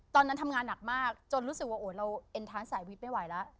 ตอนนั้นทำงานหนักมากจนรู้สึกว่าเราเอ็นทานสายวิทย์ไม่ไหวแล้ว